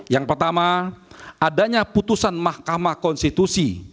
yang pertama adanya putusan mahkamah konstitusi